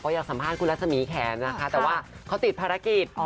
ก็เลยไม่ได้เกร็งอะไรมาก